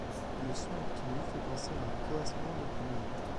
Le son obtenu fait penser à un coassement de grenouille.